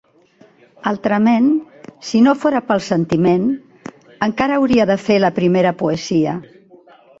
Altrament, si no fora pel sentiment, encara hauria de fer la primera poesia.